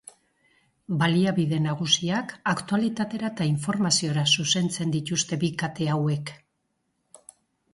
Baliabide nagusiak aktualitatera eta informaziora zuzentzen dituzte bi kate hauek.